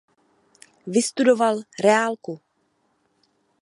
Vystudoval reálku.